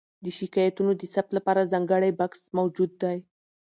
د شکایتونو د ثبت لپاره ځانګړی بکس موجود دی.